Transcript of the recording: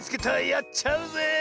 やっちゃうぜ。